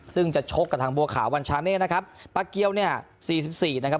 ซึ่งจะชกกับทางบัวขาววันชาเมฆนะครับปากเกียวเนี่ยสี่สิบสี่นะครับ